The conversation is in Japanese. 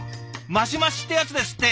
マシマシってやつですって。